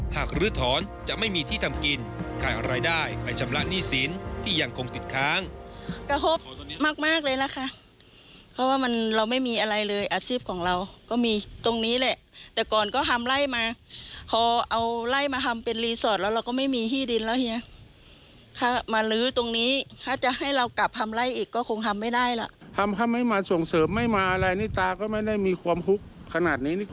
หากลื้อถอนจะไม่มีที่ทำกินขายอันรายได้ไปชำระหนี้สินที่ยังคงติดค้าง